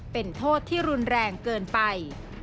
เป็นโทษที่รุนแรงเกินไป